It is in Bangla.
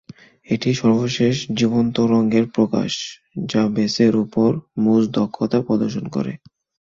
এটি সর্বশেষ জীবন্ত রঙের প্রকাশ যা বেসের উপর মুজ দক্ষতা প্রদর্শন করে।